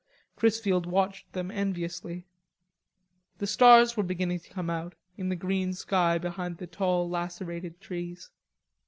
Chrisfield watched them enviously. The stars were beginning to come out in the green sky behind the tall lacerated trees.